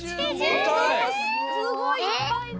すごいいっぱいだ！